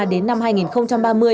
đến năm hai nghìn ba mươi